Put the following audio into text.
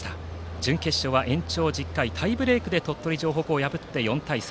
準決勝は延長１０回タイブレークで鳥取城北を破り４対３。